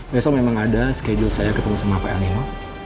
besok memang ada schedule saya ketemu sama pak elnino